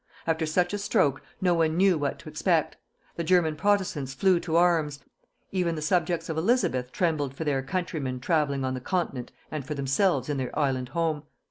After such a stroke, no one knew what to expect; the German protestants flew to arms; even the subjects of Elizabeth trembled for their countrymen travelling on the continent and for themselves in their island home.